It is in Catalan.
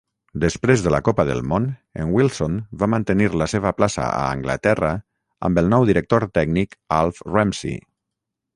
Després de la Copa del Món, en Wilson va mantenir la seva plaça a Anglaterra amb el nou director tècnic Alf Ramsey.